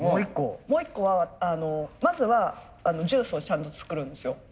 もう一個はまずはジュースをちゃんと作るんですよ。